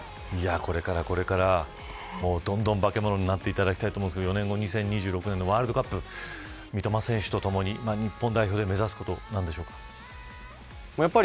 いやあ、これからこれから。どんどん化け物になっていただきたいと思いますけど４年後のワールドカップ三笘選手と共に日本代表で目指すこと何でしょうか。